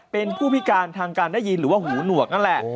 เป็นผู้พิการทางการได้ยินหรือว่าหูหนวกนั่นแหละ